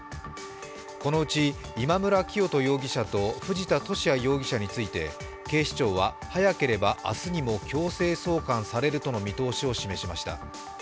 このうち今村磨人容疑者と藤田聖也容疑者について警視庁は早ければ明日にも強制送還されるとの見通しを示しました。